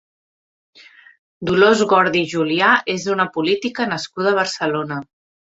Dolors Gordi i Julià és una política nascuda a Barcelona.